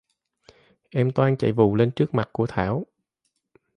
Em toan chạy vù lên trước mặt của Thảo